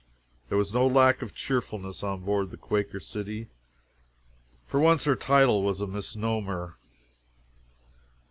There was no lack of cheerfulness on board the __Quaker City__. For once, her title was a misnomer.